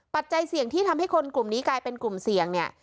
ปัจจัยเสี่ยงที่ทำให้คนกลุ่มนี้กลายเป็นกลุ่มเสี่ยงเนี่ย